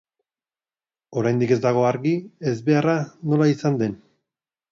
Oraindik ez dago argi ezbeharra nola izan den.